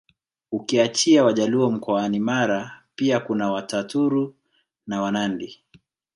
Ukiachia Wajaluo mkoani Mara pia kuna Wataturu na Wanandi